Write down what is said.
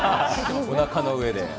おなかの上で。